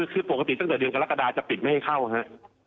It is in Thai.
คือปกติตั้งแต่เดือนกรกฎาจะปิดไม่ให้เข้าครับ